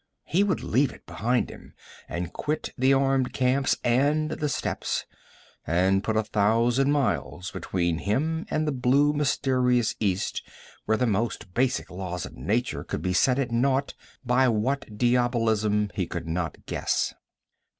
He would leave it behind him, would quit the armed camps and the steppes, and put a thousand miles between him and the blue mysterious East where the most basic laws of nature could be set at naught, by what diabolism he could not guess.